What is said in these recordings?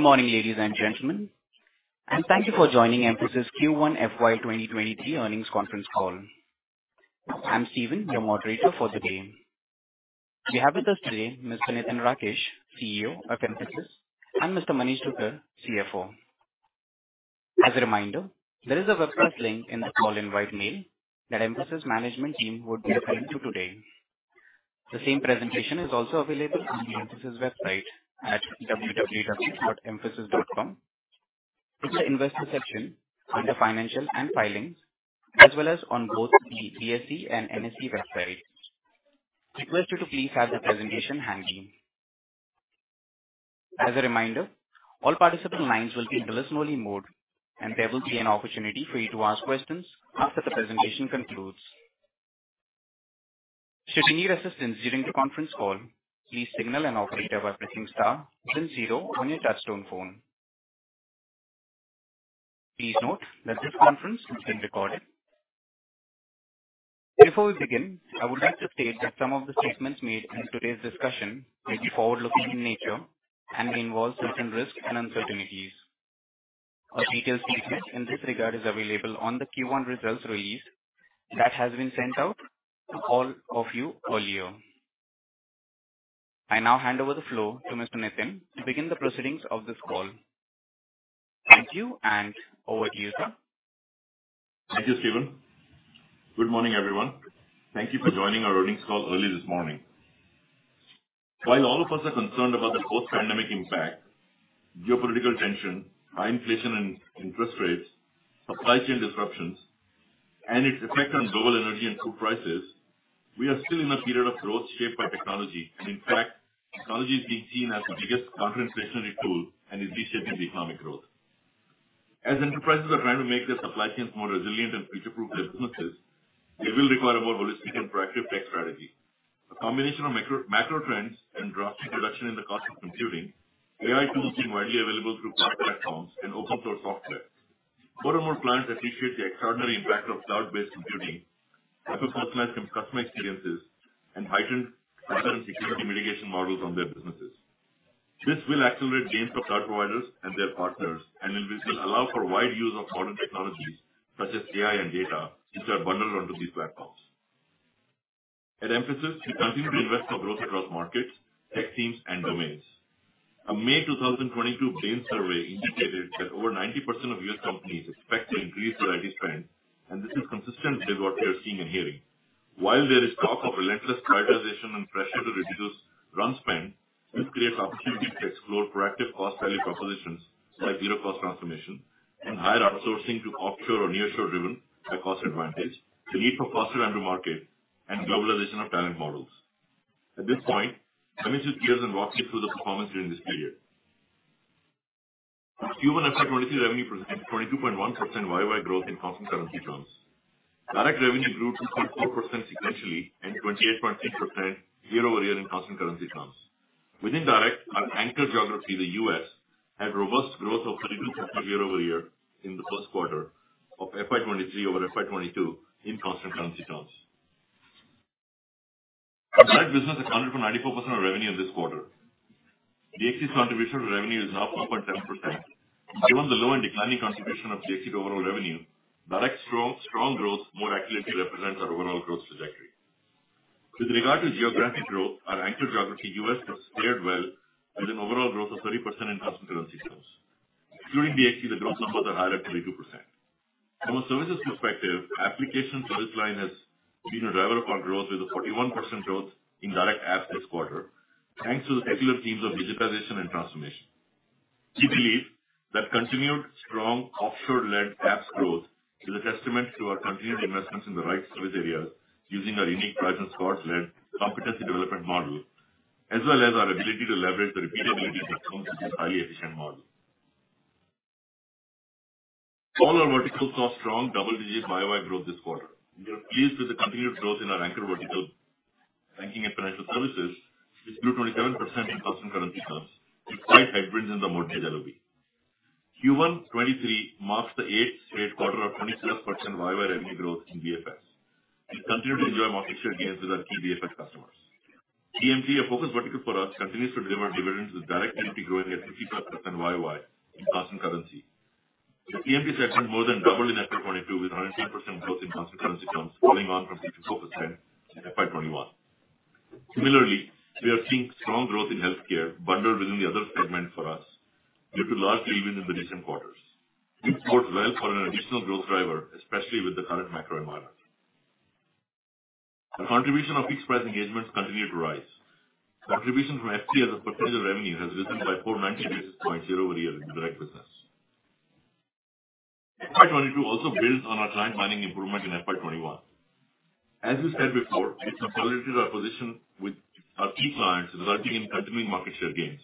Good morning ladies and gentlemen, and thank you for joining Mphasis Q1 FY 2023 Earnings Conference Call. I'm Steven, your moderator for the day. We have with us today Mr. Nitin Rakesh, CEO of Mphasis, and Mr. Manish Dugar, CFO. As a reminder, there is a webcast link in the call invite mail that Mphasis management team would be referring to today. The same presentation is also available on the Mphasis website at www.mphasis.com in the investor section under Financial and Filings, as well as on both the BSE and NSE website. Request you to please have the presentation handy. As a reminder, all participant lines will be in listen-only mode, and there will be an opportunity for you to ask questions after the presentation concludes. Should you need assistance during the conference call, please signal an operator by pressing star then zero on your touchtone phone. Please note that this conference is being recorded. Before we begin, I would like to state that some of the statements made in today's discussion may be forward-looking in nature and may involve certain risks and uncertainties. A detailed statement in this regard is available on the Q1 results release that has been sent out to all of you earlier. I now hand over the floor to Mr. Nitin to begin the proceedings of this call. Thank you and over to you, sir. Thank you, Steven. Good morning, everyone. Thank you for joining our earnings call early this morning. While all of us are concerned about the post-pandemic impact, geopolitical tension, high inflation and interest rates, supply chain disruptions and its effect on global energy and food prices, we are still in a period of growth shaped by technology. In fact, technology is being seen as the biggest counter-inflationary tool and is reshaping the economic growth. As enterprises are trying to make their supply chains more resilient and future-proof their businesses, they will require a more holistic and proactive tech strategy. A combination of macro trends and drastic reduction in the cost of computing, AI tools being widely available through cloud platforms and open source software. More and more clients appreciate the extraordinary impact of cloud-based computing, hyper-personalized customer experiences, and heightened cyber security mitigation models on their businesses. This will accelerate gains for cloud providers and their partners, and will basically allow for wide use of modern technologies such as AI and data which are bundled onto these platforms. At Mphasis, we continue to invest for growth across markets, tech teams and domains. A May 2022 Bain survey indicated that over 90% of US companies expect to increase IT spend, and this is consistent with what we are seeing and hearing. While there is talk of relentless prioritization and pressure to reduce run spend, this creates opportunity to explore proactive cost-value propositions like zero-cost transformation and higher outsourcing to offshore or nearshore driven by cost advantage, the need for faster time to market, and globalization of talent models. At this point, Manish will give us an overview through the performance during this period. Q1 FY 2023 revenue presented 22.1% YOY growth in constant currency terms. Direct revenue grew 2.4% sequentially and 28.3% year-over-year in constant currency terms. Within direct, our anchor geography, the U.S., had robust growth of 32% year-over-year in the Q1 of FY 23 over FY 22 in constant currency terms. Direct business accounted for 94% of revenue this quarter. DXC contribution to revenue is now 4.1%, given the low and declining contribution of DXC to overall revenue, direct strong growth more accurately represents our overall growth trajectory. With regard to geographic growth, our anchor geography, U.S., has fared well with an overall growth of 30% in constant currency terms. Excluding DXC, the growth numbers are higher at 32%. From a services perspective, application service line has been a driver for growth with a 41% growth in direct apps this quarter, thanks to the secular themes of digitalization and transformation. We believe that continued strong offshore-led apps growth is a testament to our continued investments in the right service areas using our unique Horizon Scores led competency development model, as well as our ability to leverage the repeatability that comes with this highly efficient model. All our verticals saw strong double-digit YOY growth this quarter. We are pleased with the continued growth in our anchor vertical, banking and financial services, which grew 27% in constant currency terms despite headwinds in the mortgage LOB. Q1 23 marks the eighth straight quarter of 26% YOY revenue growth in BFS. We continue to enjoy market share gains with our key BFS customers. EMP, a focused vertical for us, continues to deliver dividends with direct EMP growing at 55% YOY in constant currency. The EMP segment more than doubled in FY 22 with 100% growth in constant currency terms, following on from 64% in FY 21. Similarly, we are seeing strong growth in healthcare bundled within the other segment for us due to large deal wins in the recent quarters. This bodes well for an additional growth driver, especially with the current macro environment. The contribution of fixed-price engagements continue to rise. Contribution from FP&A as a percentage of revenue has risen by 490 basis points year-over-year in the direct business. FY 22 also builds on our client mining improvement in FY 21. As we said before, it consolidated our position with our key clients, resulting in continuing market share gains.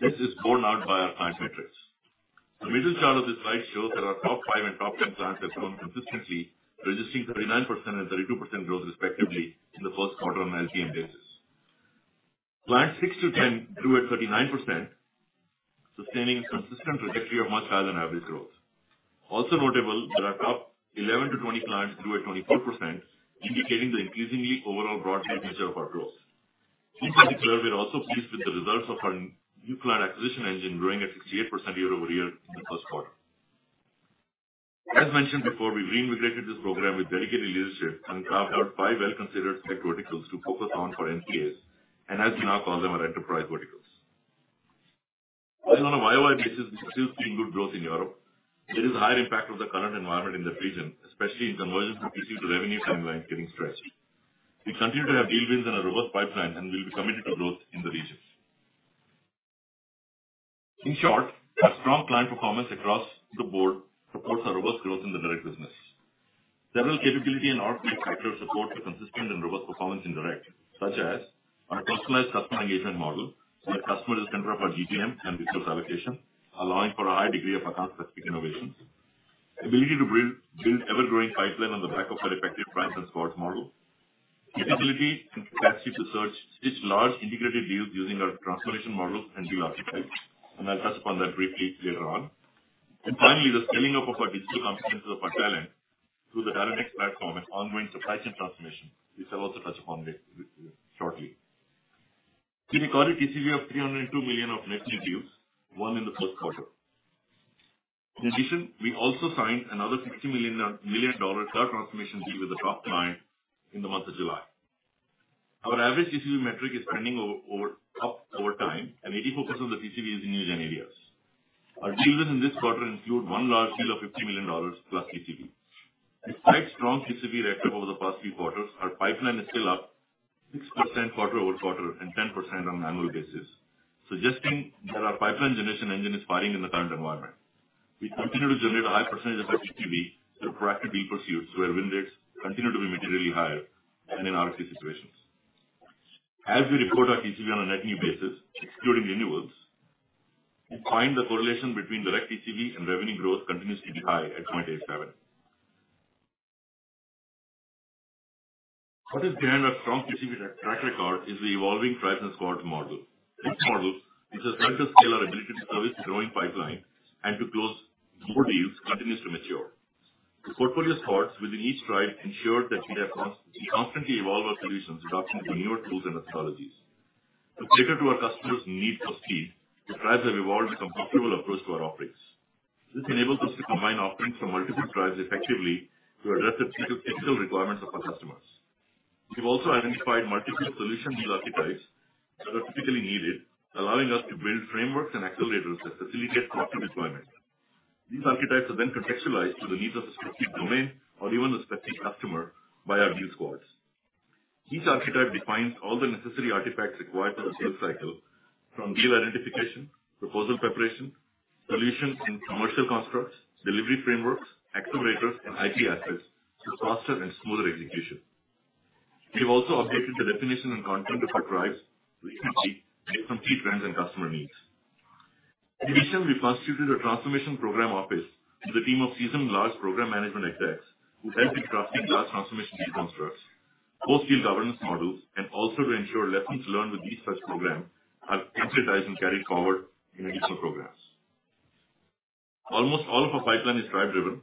This is borne out by our client metrics. The middle chart of this slide shows that our top 5 and top 10 clients have grown consistently, registering 39% and 32% growth respectively in the Q1 on LTM basis. Client 6 to 10 grew at 39%, sustaining a consistent trajectory of much higher than average growth. Also notable that our top 11 to 20 clients grew at 24%, indicating the increasingly overall broad-based nature of our growth. In particular, we are also pleased with the results of our new client acquisition engine growing at 68% year-over-year in the Q1. As mentioned before, we re-migrated this program with dedicated leadership and carved out 5 well-considered tech verticals to focus on for NCAs, and as we now call them, our enterprise verticals. While on a YOY basis, we still seeing good growth in Europe, there is a higher impact of the current environment in that region, especially in conversions from POC to revenue timelines getting stretched. We continue to have deal wins and a robust pipeline and we'll be committed to growth in the regions. In short, our strong client performance across the board supports our robust growth in the direct business. Several capabilities in our tech factor support a consistent and robust performance in direct, such as our personalized customer engagement model, where customers can drive our GTM and resource allocation, allowing for a high degree of account-specific innovations. Ability to build ever-growing pipeline on the back of our effective price and squads model. The ability and capacity to source large integrated deals using our transformation model and deal archetypes, and I'll touch upon that briefly later on. Finally, the scaling up of our digital competencies of our talent through the Dynamics platform and ongoing supply chain transformation, which I'll also touch upon this shortly. To record a TCV of $302 million of net new deals, won in the Q1. In addition, we also signed another $60 million million dollar third transformation deal with a top client in the month of July. Our average TCV metric is trending upward over time, and 80% of the TCV is in new JNEs. Our deal wins in this quarter include one large deal of $50 million plus TCV. Despite strong TCV record over the past few quarters, our pipeline is still up 6% quarter-over-quarter and 10% on annual basis, suggesting that our pipeline generation engine is firing in the current environment. We continue to generate a high percentage of our TCV through proactive deal pursuits, where win rates continue to be materially higher than in RFP situations. As we report our TCV on a net new basis, excluding renewals, we find the correlation between direct TCV and revenue growth continues to be high at 0.87. What is behind our strong TCV track record is the evolving tribes and squads model. This model is designed to scale our ability to service a growing pipeline and to close more deals continues to mature. The portfolio squads within each tribe ensure that we have constantly evolve our solutions, adopting the newer tools and methodologies. To cater to our customers' needs for speed, the tribes have evolved into a composable approach to our offerings. This enables us to combine offerings from multiple tribes effectively to address the technical requirements of our customers. We've also identified multiple solution deal archetypes that are particularly needed, allowing us to build frameworks and accelerators that facilitate faster deployment. These archetypes are then contextualized to the needs of a specific domain or even a specific customer by our deal squads. Each archetype defines all the necessary artifacts required for the sales cycle, from deal identification, proposal preparation, solutions and commercial constructs, delivery frameworks, accelerators and IT assets for faster and smoother execution. We have also updated the definition and content of our tribes recently to meet some key trends and customer needs. In addition, we constituted a transformation program office with a team of seasoned large program management execs who help in crafting large transformation deal constructs, post-deal governance models, and also to ensure lessons learned with each such program are emphasized and carried forward in additional programs. Almost all of our pipeline is tribe-driven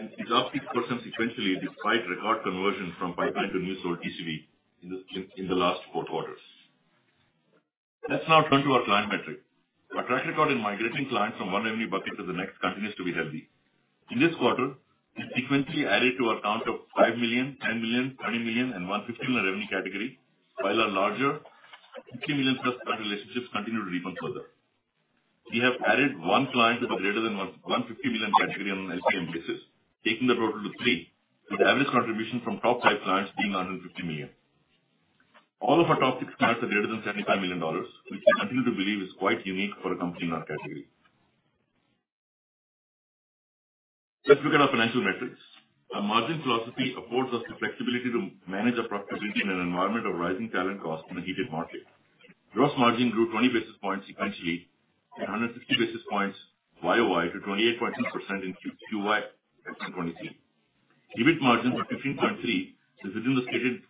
and is up 6% sequentially despite record conversion from pipeline to new source TCV in the last 4 quarters. Let's now turn to our client metric. Our track record in migrating clients from one revenue bucket to the next continues to be healthy. In this quarter, we sequentially added to our count of $5 million, $10 million, $30 million, and $150 million revenue category, while our larger $50 million plus client relationships continue to deepen further. We have added one client to the greater than $150 million category on an LTM basis, taking the total to 3, with average contribution from top five clients being $150 million. All of our top six clients are greater than $75 million, which we continue to believe is quite unique for a company in our category. Let's look at our financial metrics. Our margin philosophy affords us the flexibility to manage our profitability in an environment of rising talent costs in a heated market. Gross margin grew 20 basis points sequentially and 160 basis points YOY to 28.2% in Q1 FY 2023. EBIT margin of 15.3% is within the stated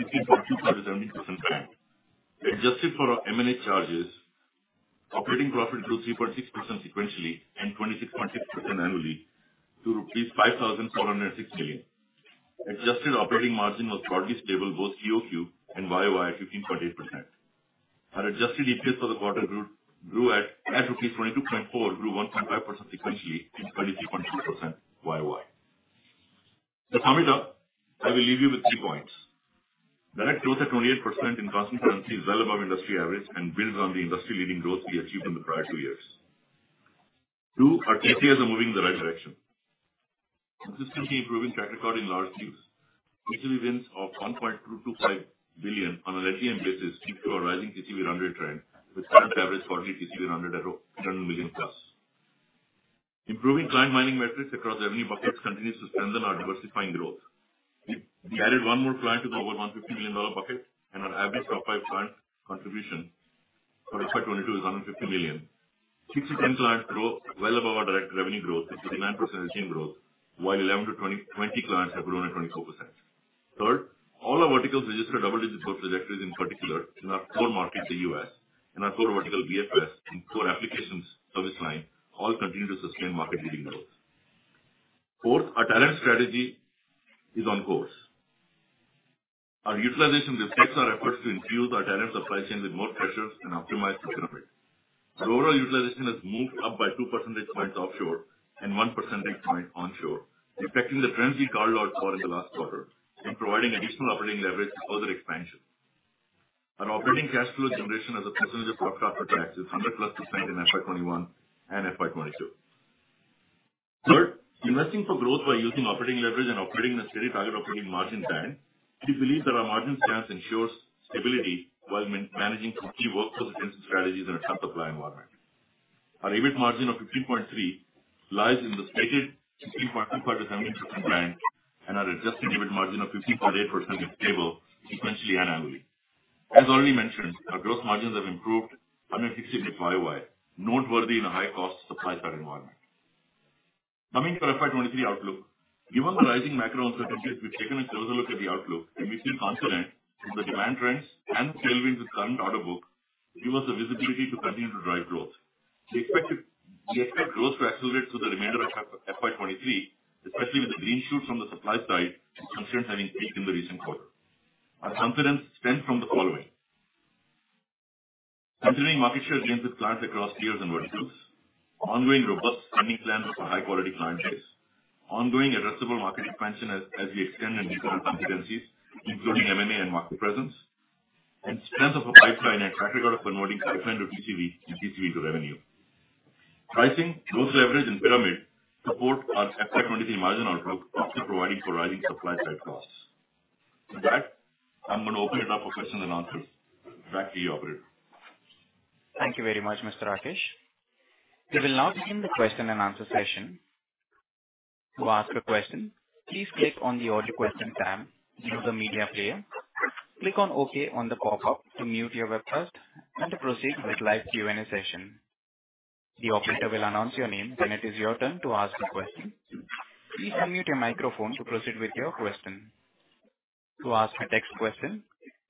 15.2%-17% band. Adjusted for our M&A charges, operating profit grew 3.6% sequentially and 26.6% annually to rupees 5,406 million. Adjusted operating margin was broadly stable both QOQ and YOY at 15.8%. Our adjusted EPS for the quarter grew to 22.4, grew 1.5% sequentially and 33.2% YOY. To sum it up, I will leave you with 3 points. Digital growth at 28% in constant currency is well above industry average and builds on the industry-leading growth we achieved in the prior 2 years. Two, our TCVs are moving in the right direction. Consistently improving track record in large deals, quarterly wins of $1.225 billion on an LTM basis keep to our rising TCV run rate trend, with current average quarterly TCV run rate at $10 million+. Improving client mining metrics across revenue buckets continues to strengthen our diversifying growth. We added one more client to the over $150 million bucket, and our average top five clients' contribution for FY 2022 is $150 million. 60% client growth well above our direct revenue growth is 59% retained growth, while 11 to 2020 clients have grown at 24%. Third, all our verticals registered double-digit growth trajectories, in particular in our core market, the U.S., in our core vertical BFS and core applications service line all continue to sustain market leading growth. Fourth, our talent strategy is on course. Our utilization reflects our efforts to infuse our talent supply chain with more freshers and optimize productivity. Our overall utilization has moved up by 2 percentage points offshore and 1 percentage point onshore, impacting the trends we called out for in the last quarter and providing additional operating leverage to further expansion. Our operating cash flow generation as a percentage of pro forma taxes 100 plus % in FY 2021 and FY 2022. Third, investing for growth by using operating leverage and operating in a steady target operating margin plan. We believe that our margin stance ensures stability while managing through key workflows and strategies in a tough supply environment. Our EBIT margin of 15.3% lies in the stated 16.25%-17% plan and our adjusted EBIT margin of 15.8% is stable sequentially and annually. As already mentioned, our gross margins have improved 168 YOY, noteworthy in a high cost supply side environment. Coming to our FY 2023 outlook. Given the rising macro uncertainties, we've taken a closer look at the outlook, and we feel confident that the demand trends and tailwinds with current order book give us the visibility to continue to drive growth. We expect growth to accelerate through the remainder of FY 23, especially with the green shoots from the supply side and constraints having peaked in the recent quarter. Our confidence stems from the following. Continuing market share gains with clients across tiers and verticals, ongoing robust spending plans of a high quality client base. Ongoing addressable market expansion as we extend in new client competencies, including M&A and market presence. Strength of a pipeline and track record of converting pipeline to TCV and TCV to revenue. Pricing, growth leverage, and pyramid support our FY 2023 margin outlook after providing for rising supply side costs. With that, I'm gonna open it up for questions and answers. Back to you, operator. Thank you very much, Mr. Rakesh. We will now begin the question-and-answer session. To ask a question, please click on the Audio Question tab near the media player. Click on OK on the popup to mute your webcast and to proceed with live Q&A session. The operator will announce your name when it is your turn to ask a question. Please unmute your microphone to proceed with your question. To ask a text question,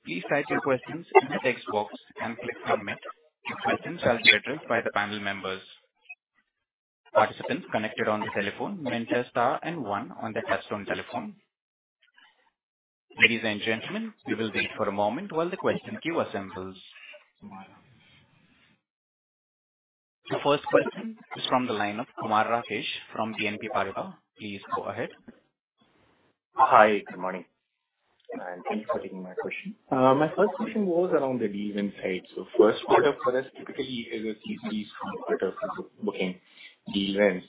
please type your questions in the text box and click Submit. Your questions will be addressed by the panel members. Participants connected on the telephone may enter star and one on their touchtone telephone. Ladies and gentlemen, we will wait for a moment while the question queue assembles. The first question is from the line of Kumar Rakesh from BNP Paribas. Please go ahead. Hi. Good morning, and thank you for taking my question. My first question was around the deal win side. Q1 for us typically is a TCV strong quarter for booking deal wins.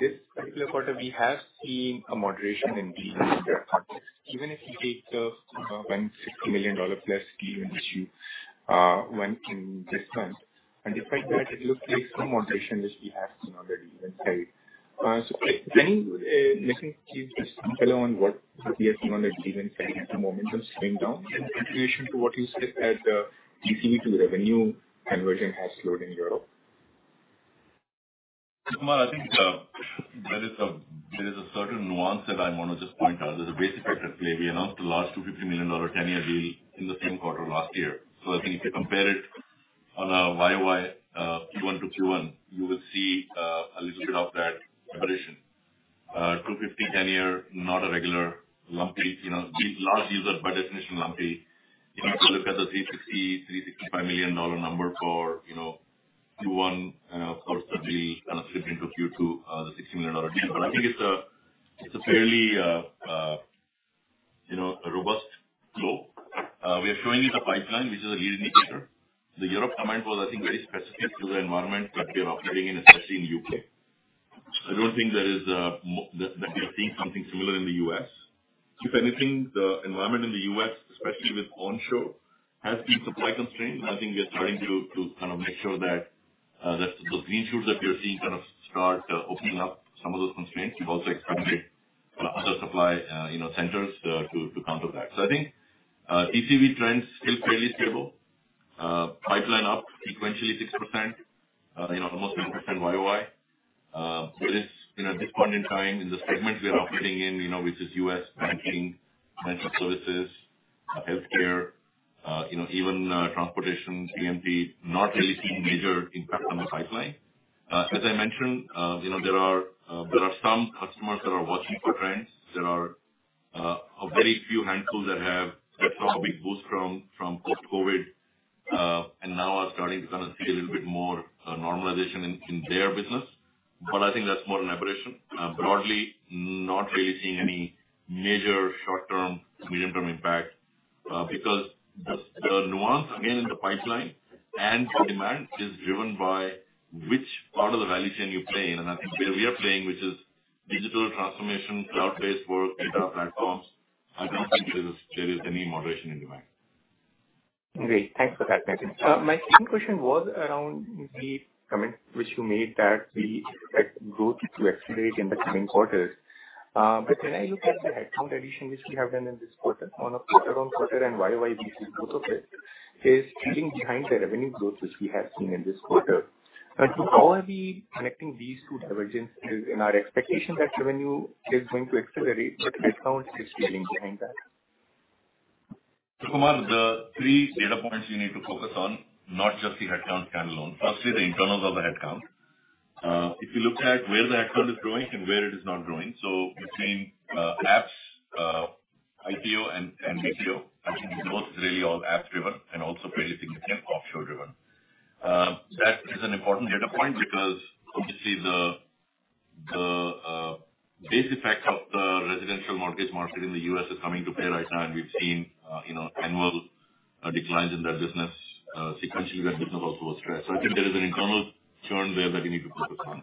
This particular quarter we have seen a moderation in deal wins year-on-year. Even if you take the $160 million-plus deal win which you won in this month. Despite that, it looks like some moderation which we have seen on the deal win side. Can you maybe give just some color on what we are seeing on the deal win side at the moment of slowing down in continuation to what you said that TCV to revenue conversion has slowed in Europe. Kumar, I think, there is a certain nuance that I want to just point out, there's a base effect at play we announced the last $250 million ten-year deal in the same quarter last year. I think if you compare it on a YOY, Q1 to Q1, you will see a little bit of that aberration. $250 ten-year, not a regular lumpy, you know, the large deals are by definition lumpy. If you look at the $365 million number for, you know, Q1, quarter deal kind of slipped into Q2, the $60 million dollar deal. I think it's a fairly, you know, a robust flow. We are showing you the pipeline, which is a lead indicator. The Europe comment was, I think, very specific to the environment that we are operating in, especially in U.K. I don't think there is that we are seeing something similar in the U.S. If anything, the environment in the U.S., especially with onshore, has seen supply constraints, and I think we are starting to kind of make sure that the green shoots that we are seeing kind of start opening up some of those constraints. We've also expanded other supply you know centers to counter that. I think TCV trends still fairly stable. Pipeline up sequentially 6%, you know, almost 10% YOY. With this, you know, this point in time in the segments we are operating in, you know, which is U.S. banking, financial services, healthcare, you know, even transportation, BFS not really seeing major impact on the pipeline. As I mentioned, you know, there are some customers that are watching for trends, there are a very few handful that have got some big boost from post-COVID and now are starting to kind of see a little bit more normalization in their business. I think that's more an aberration. Broadly, not really seeing any major short-term, medium-term impact because the nuance again in the pipeline and the demand is driven by which part of the value chain you play in. I think where we are playing, which is digital transformation, cloud-based work, data platforms, I don't think there is any moderation in demand. Great. Thanks for that, Nitin. My second question was around the comment which you made that we expect growth to accelerate in the coming quarters. When I look at the headcount addition which we have done in this quarter on a quarter-over-quarter and YOY basis, both are lagging behind the revenue growth which we have seen in this quarter. How are we connecting these two divergences with our expectation that revenue is going to accelerate, but headcount is lagging behind that. Kumar, the 3 data points you need to focus on, not just the headcount standalone. Firstly, the internals of the headcount. If you look at where the headcount is growing and where it is not growing so between apps, ITO and BPO, I think both really all app driven and also fairly significant offshore driven. That is an important data point because obviously the base effects of the residential mortgage market in the U.S. is coming to play right now, and we've seen you know, annual declines in that business, sequentially that business also under stress. I think there is an internal churn there that you need to focus on.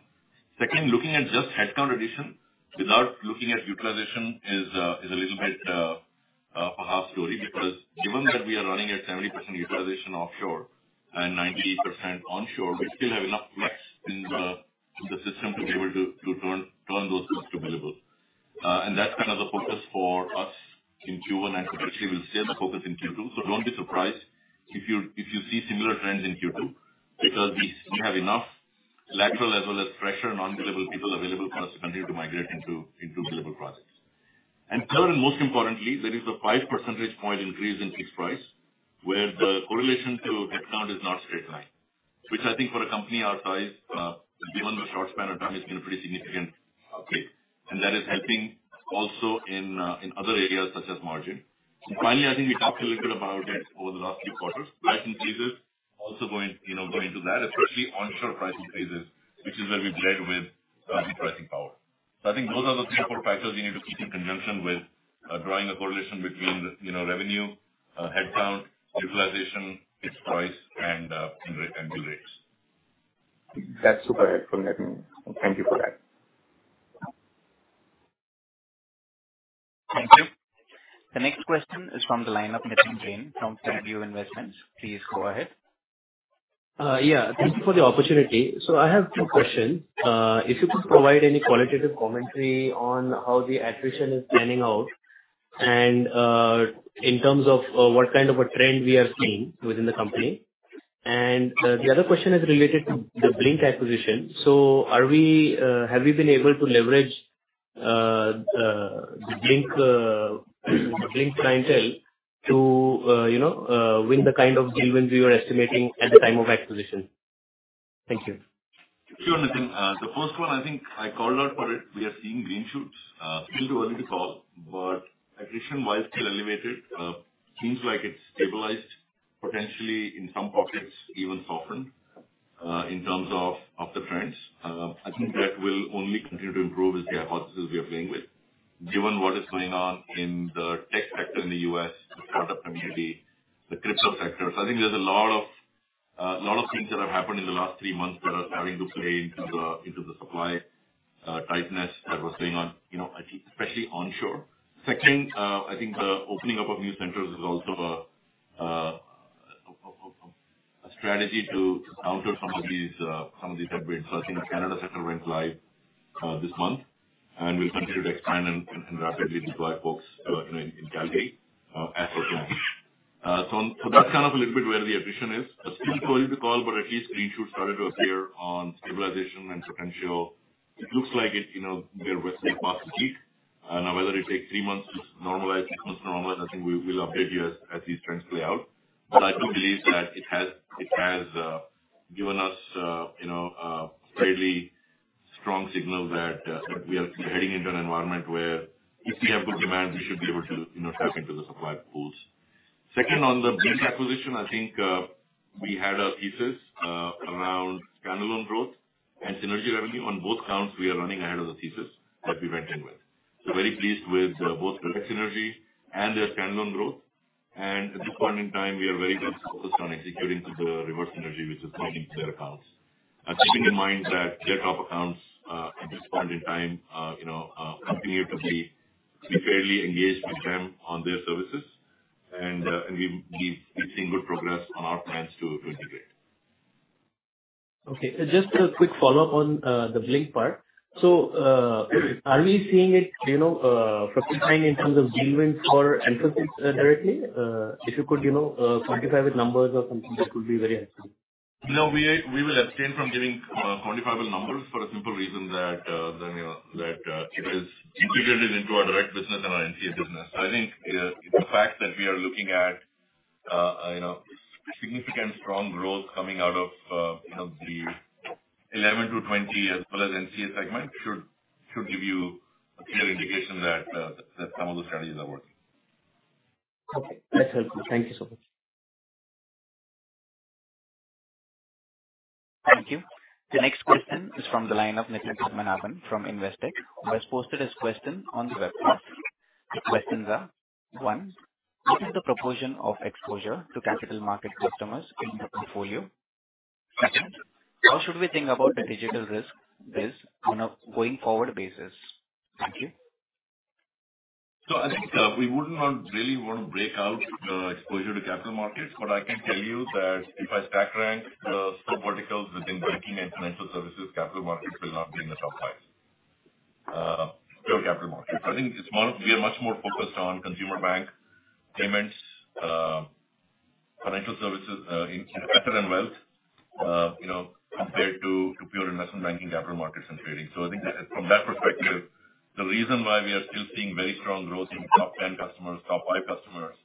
Second, looking at just headcount addition without looking at utilization is a little bit a half story, because given that we are running at 70% utilization offshore and 90% onshore, we still have enough flex in the system to be able to turn those seats available. That's kind of the focus for us in Q1, and potentially will stay the focus in Q2. Don't be surprised if you see similar trends in Q2, because we have enough lateral as well as fresher non-billable people available for us to continue to migrate into billable projects. And third, and most importantly, there is a 5 percentage point increase in fixed price, where the correlation to headcount is not straight line. Which I think for a company our size, given the short span of time, has been a pretty significant upgrade, and that is helping also in other areas such as margin. Finally, I think we talked a little bit about it over the last few quarters pricing phases also going, you know, go into that, especially onshore pricing phases, which is where we've led with the pricing power. I think those are the 3, 4 factors you need to keep in conjunction with, drawing a correlation between, you know, revenue, headcount, utilization, fixed price and rates. That's super helpful, Nitin. Thank you for that. Thank you. The next question is from the line of Nitin Jain from Fairview Investments. Please go ahead. Yeah, thank you for the opportunity. I have two questions. If you could provide any qualitative commentary on how the attrition is panning out and, in terms of, what kind of a trend we are seeing within the company and the other question is related to the Blink acquisition. Have we been able to leverage the Blink clientele to, you know, win the kind of deal wins we were estimating at the time of acquisition? Thank you. Sure, Nitin. The first one, I think I called out for it we are seeing green shoots. Still too early to call, but attrition, while still elevated, seems like it's stabilized potentially in some pockets, even softened, in terms of the trends. I think that will only continue to improve as the odds we are playing with. Given what is going on in the tech sector in the U.S., the startup community, the crypto sector. I think there's a lot of things that have happened in the last three months that are starting to play into the supply tightness that was going on, you know, I think especially onshore. Second, I think the opening up of new centers is also a strategy to counter some of these headwinds, I think the Canada center went live this month and we'll continue to expand and rapidly deploy folks in Calgary as per plan. That's kind of a little bit where the attrition is, it's still too early to call, but at least green shoots started to appear on stabilization and potential. It looks like it, you know, we are witnessing months of peak. Now whether it takes 3 months to normalize, 6 months to normalize, I think we'll update you as these trends play out. I do believe that it has given us, you know, a fairly strong signal that we are heading into an environment where if we have good demand, we should be able to, you know, tap into the supply pools. Second, on the Blink acquisition, I think we had our thesis around standalone growth and synergy revenue. On both counts we are running ahead of the thesis that we went in with. Very pleased with both direct synergy and their standalone growth and at this point in time, we are very much focused on executing to the reverse synergy which is logging into their accounts. Keeping in mind that their top accounts at this point in time, you know, continue to be fairly engaged with them on their services and we've been seeing good progress on our plans to integrate. Okay, just a quick follow-up on the Blink part. Are we seeing it, you know, reflecting in terms of deal wins for Infosys directly? If you could, you know, quantify with numbers or something that would be very helpful. No, we will abstain from giving quantifiable numbers for a simple reason that you know that it is integrated into our direct business and our NCA business. I think the fact that we are looking at you know significant strong growth coming out of you know the 11-20 as well as NCA segment should give you a clear indication that some of the strategies are working. Okay. That's helpful. Thank you so much. Thank you. The next question is from the line of Nitin Padmanabhan from Investec, who has posted his question on the website. The questions are: One, what is the proportion of exposure to capital market customers in the portfolio? Second, how should we think about the Digital Risk on a going forward basis? Thank you. I think we wouldn't want, really wanna break out exposure to capital markets. What I can tell you that if I stack rank the sub verticals within banking and financial services, capital markets will not be in the top 5 pure capital markets. I think it's more we are much more focused on consumer bank payments, financial services, in asset and wealth, you know, compared to pure investment banking, capital markets and trading. I think that from that perspective, the reason why we are still seeing very strong growth in top ten customers, top 5 customers,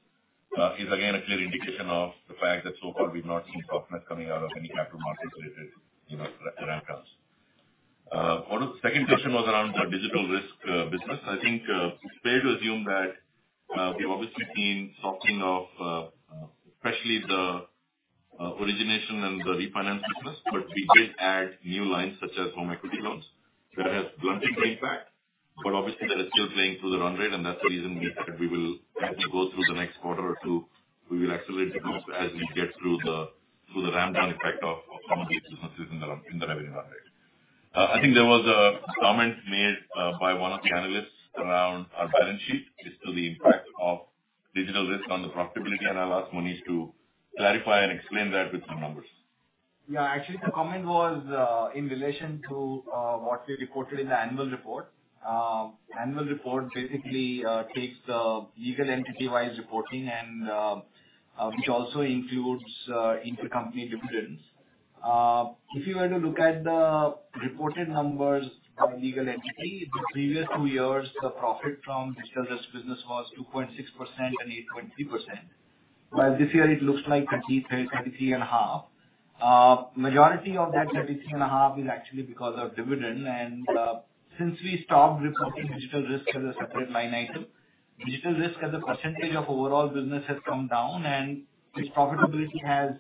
is again a clear indication of the fact that so far we've not seen softness coming out of any capital markets related, you know, ramp downs. What was the second question was around our Digital Risk business. I think it's fair to assume that we've obviously seen softening of especially the origination and the refinance business. We did add new lines such as home equity loans that has lumping impact. Obviously that is still playing through the run rate and that's the reason we will as we go through the next quarter or two we will accelerate the growth as we get through the ramp down effect of some of these businesses in the revenue run rate. I think there was a comment made by one of the analysts around our balance sheet as to the impact of Digital Risk on the profitability. I'll ask Manish to clarify and explain that with some numbers. Yeah. Actually, the comment was in relation to what we reported in the annual report. Annual report basically takes the legal entity wise reporting and which also includes intercompany dividends. If you were to look at the reported numbers of legal entity the previous 2 years, the profit from Digital Risk business was 2.6% and 8.3%. While this year it looks like 33%, 33.5%. Majority of that 33.5% is actually because of dividend and since we stopped reporting Digital Risk as a separate line item, Digital Risk as a percentage of overall business has come down and its profitability has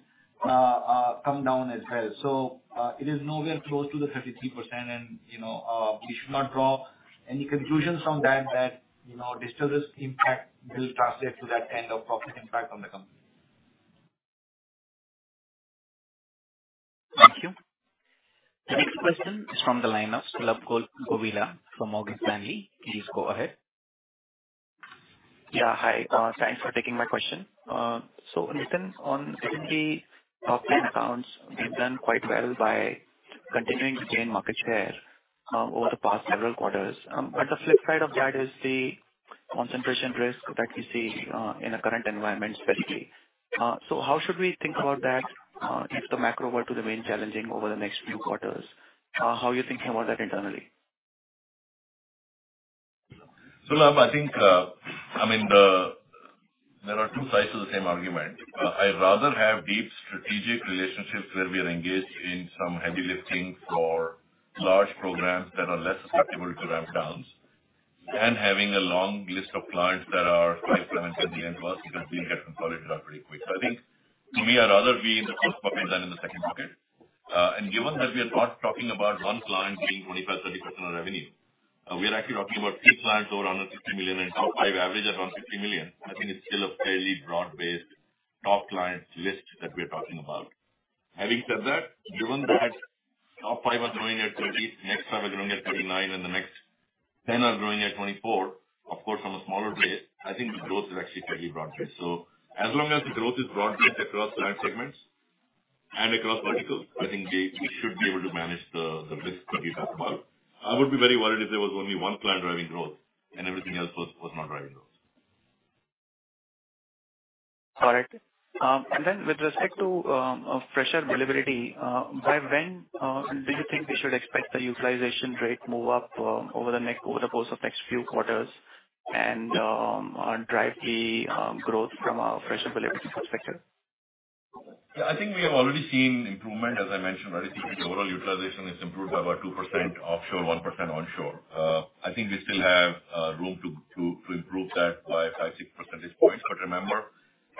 come down as well. It is nowhere close to the 33% and, you know, we should not draw any conclusions from that, you know, Digital Risk impact will translate to that kind of profit impact on the company. Thank you. The next question is from the line of Sulabh Govila from Morgan Stanley. Please go ahead. Yeah, hi. Thanks for taking my question. So, Nitin, on currently top line accounts have done quite well by continuing to gain market share over the past several quarters. The flip side of that is the concentration risk that we see in the current environment specifically. How should we think about that, if the macro were to remain challenging over the next few quarters, how are you thinking about that internally? Sulabh, I think, I mean, there are 2 sides to the same argument. I'd rather have deep strategic relationships where we are engaged in some heavy lifting for large programs that are less susceptible to ramp downs than having a long list of clients that are quite irrelevant at the end plus because we get consolidated out pretty quick. I think we'd rather be in the first bucket than in the second bucket. Given that we are not talking about one client being 25-30% of revenue, we are actually talking about three clients over $150 million and top 5 average around $50 million. I think it's still a fairly broad-based top client list that we are talking about. Having said that, given that top 5 are growing at 30%, next 5 are growing at 39%, and the next 10 are growing at 24%, of course, on a smaller base, I think the growth is actually fairly broad-based so as long as the growth is broad-based across line segments and across verticals, I think we should be able to manage the risk that you talked about. I would be very worried if there was only one client driving growth and everything else was not driving growth. All right. And then with respect to fresher availability, by when do you think we should expect the utilization rate move up over the course of next few quarters and drive the growth from a fresher availability perspective? Yeah. I think we have already seen improvement. As I mentioned, I think the overall utilization is improved by about 2% offshore, 1% onshore. I think we still have room to improve that by 5-6 percentage points. Remember,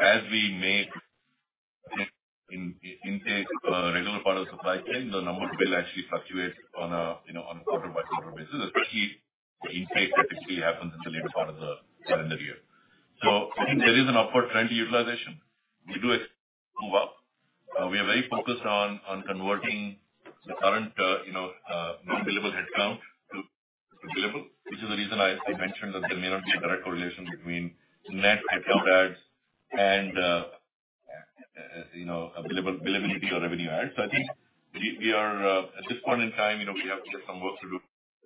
as we make intake regular part of supply chain, the numbers will actually fluctuate on a, you know, on a quarter-by-quarter basis, especially the intake that actually happens in the later part of the calendar year. I think there is an upward trend to utilization we do expect to move up. We are very focused on converting the current, you know, non-billable headcount to billable, which is the reason I mentioned that there may not be a direct correlation between net headcount adds and, as you know, available billability or revenue adds. I think we are at this point in time, you know, we have some work to do,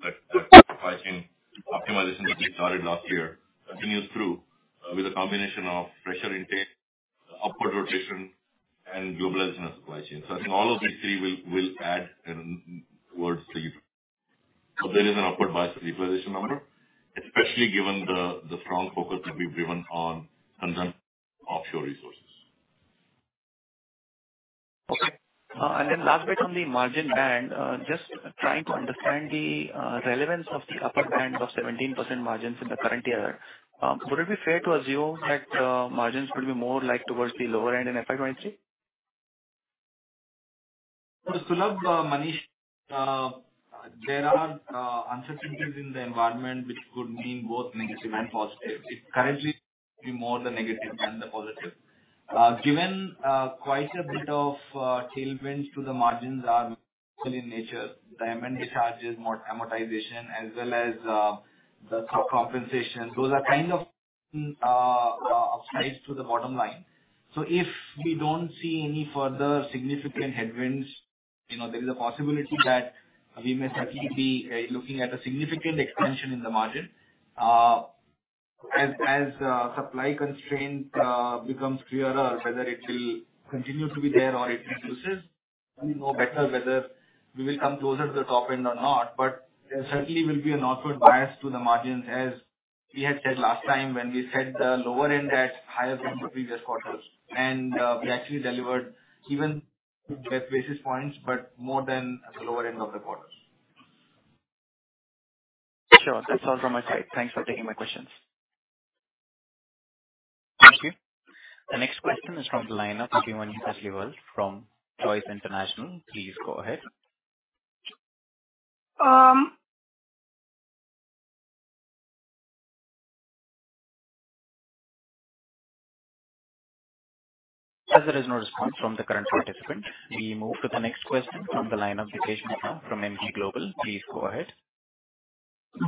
like the supply chain optimization that we started last year continues through with a combination of fresher intake, upward rotation and globalization of supply chain. I think all of these 3 will add towards the utilization. There is an upward bias to the utilization number, especially given the strong focus that we've given on converting offshore resources. Okay and then last bit on the margin band. Just trying to understand the relevance of the upper band of 17% margins in the current year. Would it be fair to assume that margins would be more like towards the lower end in FY 2023? Sulabh, Manish, there are uncertainties in the environment which could mean both negative and positive it currently be more the negative than the positive. Given quite a bit of tailwinds to the margins are structural in nature, D&A charges, more amortization as well as compensation those are kind of upsides to the bottom line. So if we don't see any further significant headwinds, you know, there is a possibility that we may certainly be looking at a significant expansion in the margin. As supply constraint becomes clearer, whether it will continue to be there or it reduces, we know better whether we will come closer to the top end or not. There certainly will be an upward bias to the margins, as we had said last time when we said the lower end higher than the previous quarters. We actually delivered even basis points, but more than the lower end of the quarters. Sure. That's all from my side. Thanks for taking my questions. Thank you. The next question is from the line of Bhupesh Singh from Choice International. Please go ahead. Um. As there is no response from the current participant, we move to the next question from the line of Mukesh Kumar from MG Global. Please go ahead.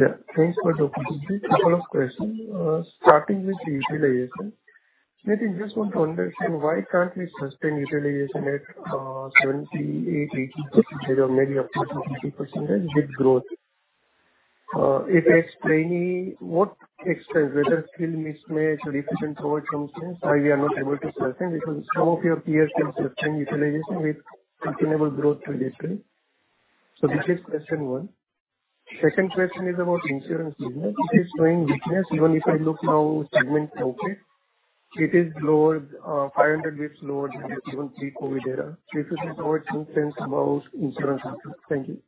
Yeah. Thanks for the opportunity, couple of questions. Starting with utilization. Nitin, just want to understand why can't we sustain utilization at 78, 80% or maybe up to 82% with growth? If it's trainee, what expense, whether skill mismatch or efficient over some things, why we are not able to sustain? Because some of your peers can sustain utilization with sustainable growth trajectory. This is question one. Second question is about insurance business. It is showing weakness even if I look how segments okay. It is lower, 500 basis points lower than even pre-COVID era. Could you please tell us something about insurance business? Thank you.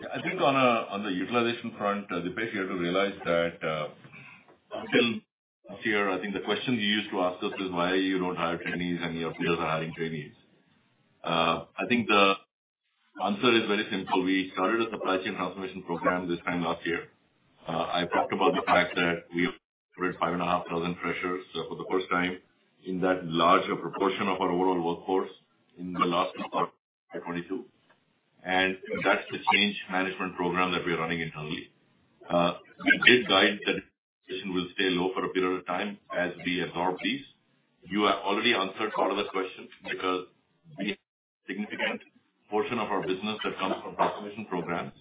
Yeah. I think on the utilization front, Mukesh Kumar, you have to realize that, still here, I think the question you used to ask us is why you don't hire trainees and your peers are hiring trainees. I think the answer is very simple. We started a supply chain transformation program this time last year. I talked about the fact that we have 5,500 freshers for the first time in that larger proportion of our overall workforce in the last quarter of FY 2022 and that's the change management program that we're running internally. We did guide that utilization will stay low for a period of time as we absorb these. You have already answered part of the question because we have significant portion of our business that comes from transformation programs.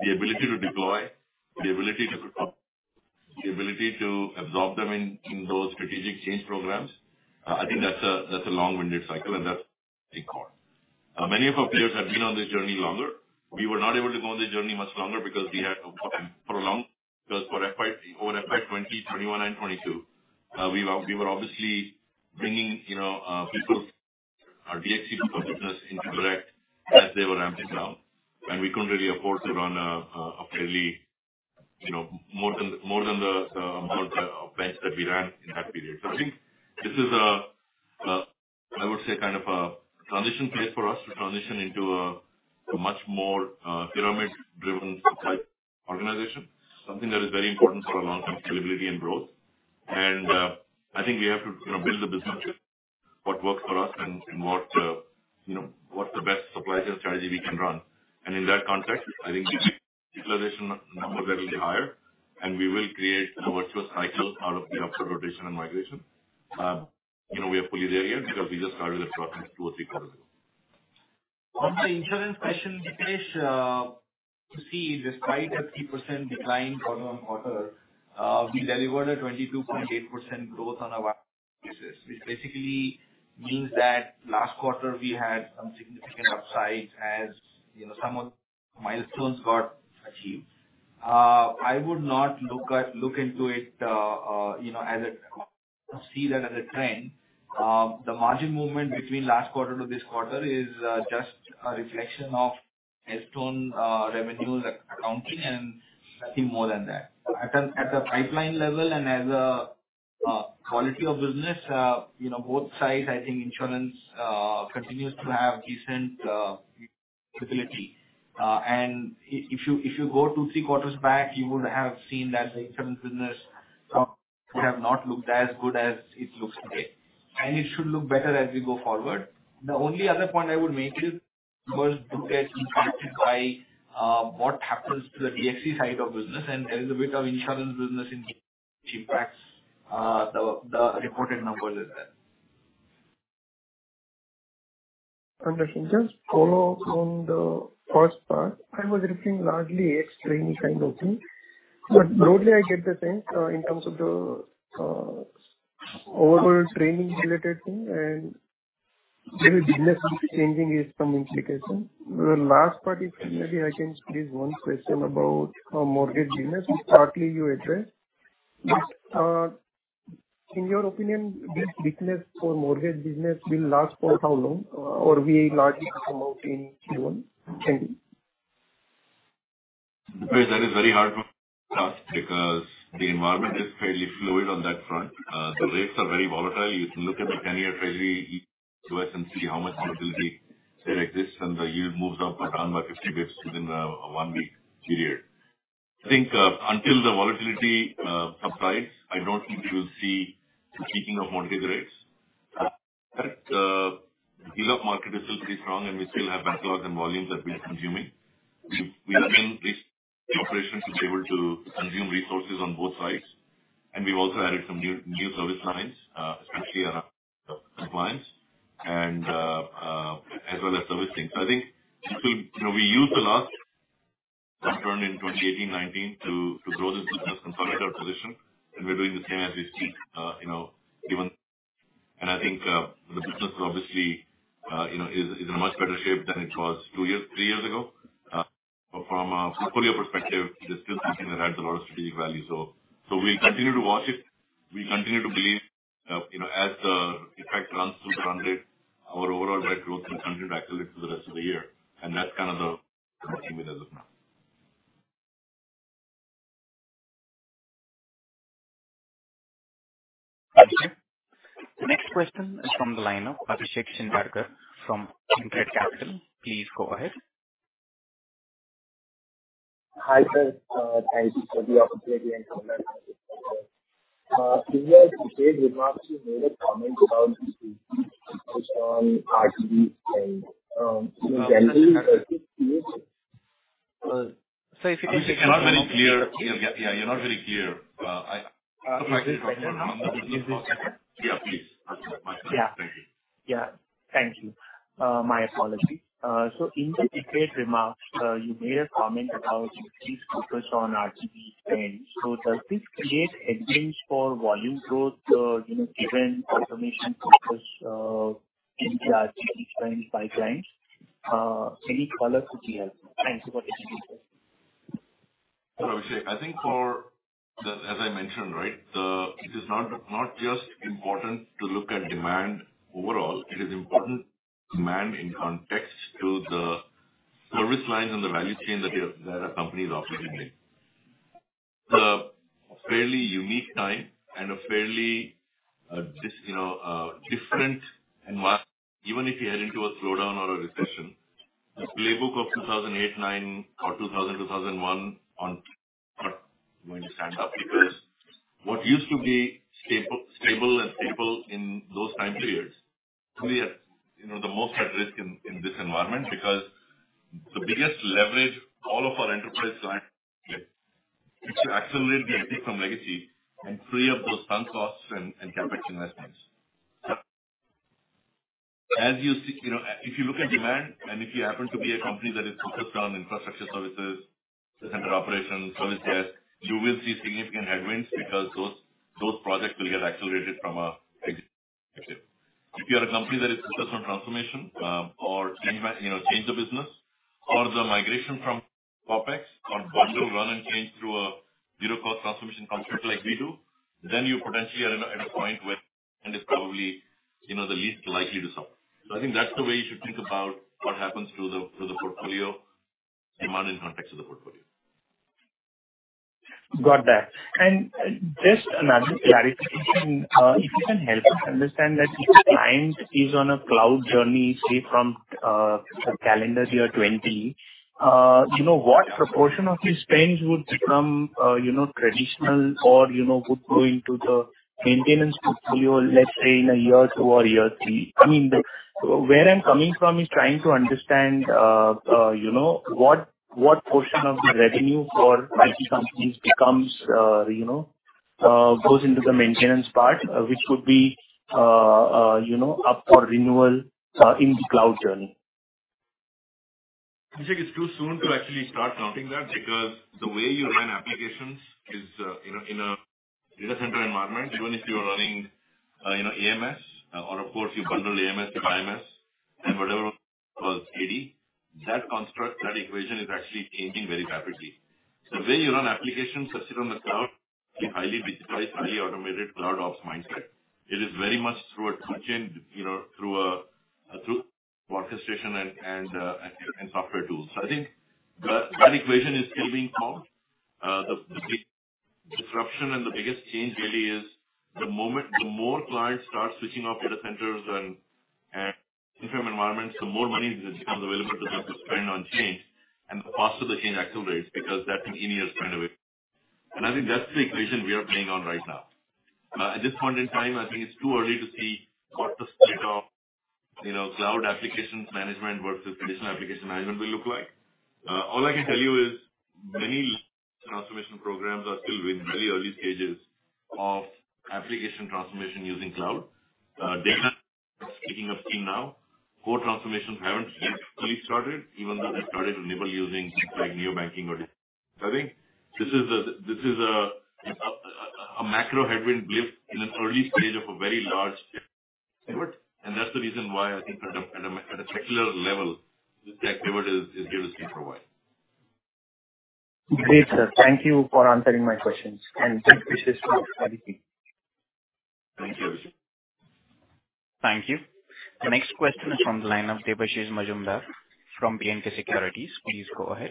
The ability to deploy, the ability to recover, the ability to absorb them in those strategic change programs, I think that's a long-winded cycle, and that's a core. Many of our peers have been on this journey longer, we were not able to go on this journey much longer because we had to prolong. Over FY 20, 21 and 22, we were obviously bringing, you know, people, our DXC people's business into direct as they were ramping down and we couldn't really afford to run a fairly, you know, more than the amount of bench that we ran in that period. I think this is a, I would say, kind of a transition phase for us to transition into a much more pyramid-driven type organization. Something that is very important for our long-term scalability and growth and I think we have to, you know, build the business, what works for us and what, you know, what's the best supply chain strategy we can run. In that context, I think utilization numbers will be higher, and we will create a virtuous cycle out of the upper rotation and migration. You know, we are fully there yet because we just started the process 2 or 3 quarters ago. On the insurance question, Mukesh Kumar, you see, despite a 3% decline quarter-on-quarter, we delivered a 22.8% growth on a. Understood. Just follow up on the first part. I was looking largely at training kind of thing, but broadly I get the sense, in terms of the overall training related thing and every business is changing its communication. The last part is maybe I can raise one question about mortgage business, which partly you addressed. In your opinion, this business for mortgage business will last for how long? Or we largely come out in Q1. Thank you. Mukesh, that is very hard for us because the environment is fairly fluid on that front. The rates are very volatile. You can look at the 10-year U.S. Treasury and see how much volatility still exists, and the yield moves up around by 50 basis points within a one-week period. I think until the volatility subsides, I don't think you will see the peaking of mortgage rates. Correct. The deal-up market is still pretty strong, and we still have backlogs and volumes that we are consuming. We have built these operations to be able to consume resources on both sides, and we've also added some new service lines, especially around clients and as well as servicing. I think we'll use the last turn in 2018, 2019 to grow this business, consolidate our position, and we're doing the same as we speak. I think the business is obviously in much better shape than it was two years, three years ago. From a portfolio perspective, this is still something that adds a lot of strategic value. We'll continue to watch it, we continue to believe as the effect runs through the 100, our overall debt growth will 100 actually through the rest of the year and that's kind of the commitment as of now. Okay. The next question is from the line of Abhishek Chandarkar from Centrum Capital. Please go ahead. Hi, sir. Thanks for the opportunity and previous remarks you made a comment about focus on RGB and, you know, generally. Sir, if you could. Abhishek, you're not very clear. Yeah, you're not very clear. Yeah, please. Abhishek, thank you. Yeah. Thank you. My apology. In the prepared remarks, you made a comment about increased focus on RGB spend. Does this create headwinds for volume growth, you know, given automation focus into RGB spend by clients? Any color could be helpful. Thanks for listening to this. Abhishek, I think, as I mentioned, right, it is not just important to look at demand overall. It is important demand in context to the service lines and the value chain that a company is operating in. It's a fairly unique time and a fairly, you know, different environment. Even if you head into a slowdown or a recession, the playbook of 2008, 2009 or 2000, 2001 on when you stand up, because what used to be stable in those time periods to me are, you know, the most at risk in this environment. Because the biggest leverage all of our enterprise clients get, which will accelerate the exit from legacy and free up those sunk costs and CapEx investments. As you see, you know, if you look at demand and if you happen to be a company that is focused on infrastructure services, data center operations, service desk, you will see significant headwinds because those projects will get accelerated from an exit perspective. If you are a company that is focused on transformation, or change, you know, change the business or the migration from OpEx or bundle run and change through a zero cost transformation concept like we do, then you potentially are at a point where end is probably, you know, the least likely to suffer. I think that's the way you should think about what happens to the portfolio demand in context of the portfolio. Got that. And just another clarification. If you can help us understand that if a client is on a cloud journey, say from, say calendar year 20, you know, what proportion of his spends would become, you know, traditional or, you know, would go into the maintenance portfolio, let's say in a year 2 or year 3? I mean, where I'm coming from is trying to understand, you know, what portion of the revenue for IT companies becomes, you know, goes into the maintenance part, which could be, you know, up for renewal, in the cloud journey. Abhishek, it's too soon to actually start counting that because the way you run applications is in a data center environment, even if you are running, you know, AMS or of course you bundle AMS with IMS and whatever was AD, that construct, that equation is actually changing very rapidly. The way you run applications that sit on the cloud is highly virtualized, highly automated CloudOps mindset. It is very much through touchless and, you know, through orchestration and software tools. I think that equation is still being formed. The big disruption and the biggest change really is the moment the more clients start switching off data centers and interim environments, the more money becomes available to them to spend on change and the faster the change accelerates because that's an immediate kind of way. I think that's the equation we are playing on right now. At this point in time, I think it's too early to see what the split of, you know, cloud applications management versus traditional application management will look like. All I can tell you is many transformation programs are still in very early stages of application transformation using cloud. Data speaking of stream now, core transformations haven't yet fully started, even though they started enabling using things like neo banking or this. I think this is a macro headwind blip in an early stage of a very large and that's the reason why I think at a secular level, this activity is here to stay for a while. Great, sir. Thank you for answering my questions and best wishes for your quarter. Thank you. Thank you. The next question is from the line of Debashish Mazumdar from B&K Securities. Please go ahead.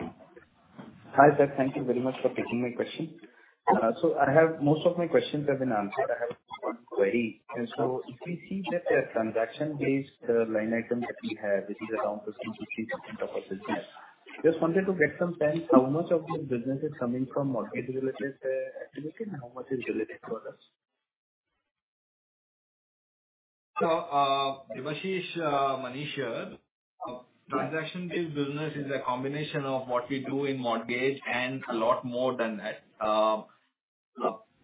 Hi, sir. Thank you very much for taking my question. So, I have most of my questions have been answered. I have one query. If we see that the transaction-based line item that we have, which is around 15%-16% of our business. Just wanted to get some sense how much of your business is coming from mortgage related activity and how much is related to others? Debashish, Manish here. Transaction-based business is a combination of what we do in mortgage and a lot more than that.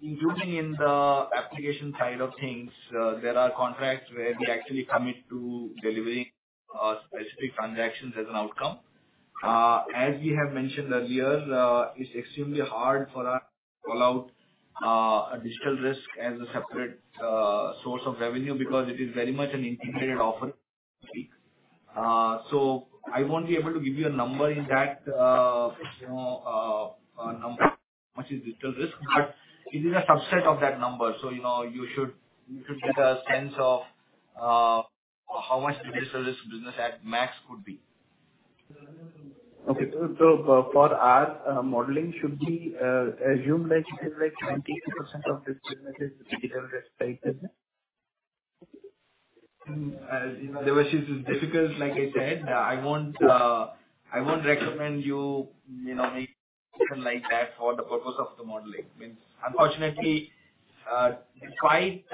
Including in the application side of things, there are contracts where we actually commit to delivering specific transactions as an outcome. As we have mentioned earlier, it's extremely hard for us to call out a Digital Risk as a separate source of revenue because it is very much an integrated offer. So, I won't be able to give you a number in that, you know, number, how much is Digital Risk, but it is a subset of that number so you know, you should get a sense of how much the Digital Risk business at max could be. Okay. For our modeling, should we assume that like 90% of this business is Digital Risk-type business? As you know, Debashish, it's difficult, like I said. I won't recommend you know, make assumption like that for the purpose of the modeling. I mean, unfortunately, despite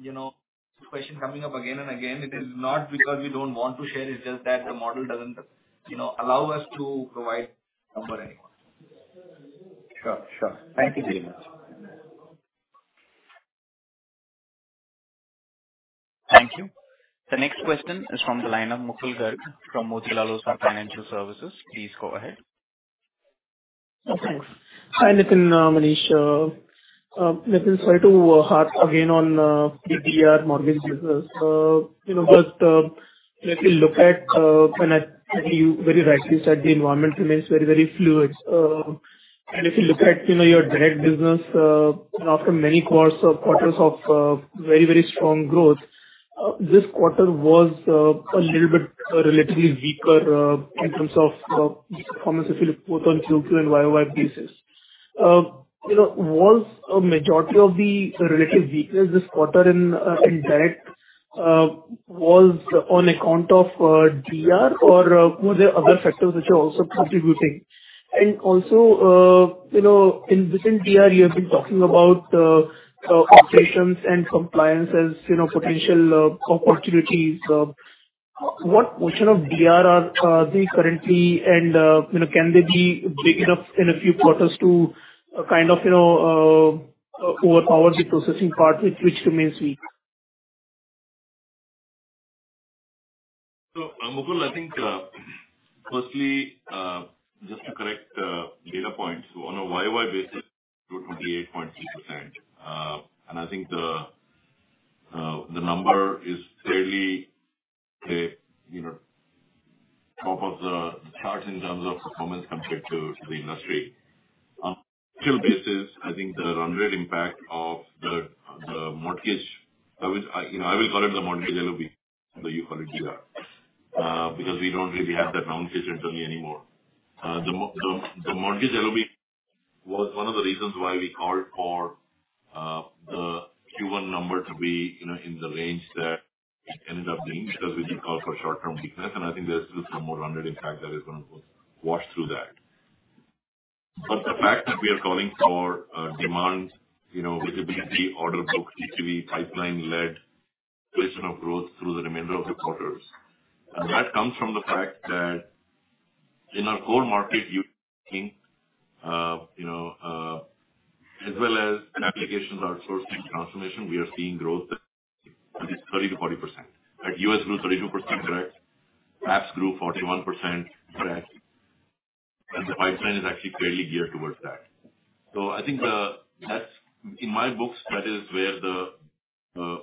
you know, this question coming up again and again, it is not because we don't want to share, it's just that the model doesn't, you know, allow us to provide number anymore. Sure. Thank you very much. Thank you. The next question is from the line of Mukul Garg from Motilal Oswal Financial Services. Please go ahead. Okay. Hi, Nitin, Manish. Nitin, sorry to harp again on DR mortgage business. You know, just if you look at. You very rightly said the environment remains very, very fluid. If you look at, you know, your direct business, after many quarters of very, very strong growth, this quarter was a little bit relatively weaker in terms of performance if you look both on QOQ and YOY basis. You know, was a majority of the relative weakness this quarter in direct was on account of DR or were there other factors which are also contributing? Also, you know, in DR you have been talking about operations and compliance as you know, potential opportunities. What portion of GR are they currently, and you know, can they be big enough in a few quarters to kind of, you know, overpower the processing part which remains weak? Mukul, I think, firstly, just to correct, data points. On a YOY basis grew 28.6%. I think the number is fairly, you know, top of the chart in terms of performance compared to the industry. Still this is I think the run rate impact of the mortgage. I will call it the mortgage LOB whether you call it DR, because we don't really have that nomenclature internally anymore. The mortgage LOB was one of the reasons why we called for the Q1 number to be, you know, in the range that it ended up being because we did call for short-term weakness, and I think there's still some more run rate impact that is gonna wash through that. The fact that we are calling for demand, you know, which will be order book, which will be pipeline-led portion of growth through the remainder of the quarters, and that comes from the fact that in our core market you've seen, you know, as well as in applications outsourcing transformation, we are seeing growth that is 30%-40%. In US grew 32%, correct? Apps grew 41%, correct. The pipeline is actually fairly geared towards that. I think that's, in my books, that is where the